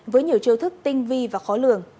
với nhiều chiêu thức tinh vi và khó lường